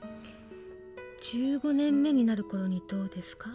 「１５年目になるころにどうですか？」